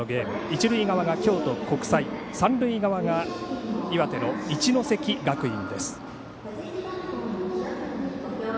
一塁側が京都国際三塁側が岩手の一関学院です。